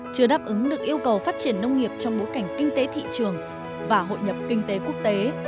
chưa đáp ứng được yêu cầu phát triển nông nghiệp trong bối cảnh kinh tế thị trường và hội nhập kinh tế quốc tế